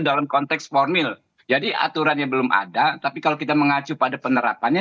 dalam konteks formil jadi aturannya belum ada tapi kalau kita mengacu pada penerapannya